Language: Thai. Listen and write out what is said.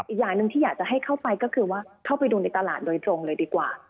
อีกอย่างหนึ่งที่อยากจะให้เข้าไปก็คือว่าเข้าไปดูในตลาดโดยตรงเลยดีกว่า